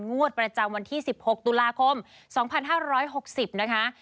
งวดประจำวันที่๑๖ตุลาคม๒๕๖๐นะคะ